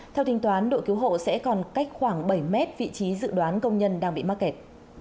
theo tính toán đội cứu hộ sẽ còn cách khoảng bảy mét vị trí dự đoán công nhân đang bị mắc kẹt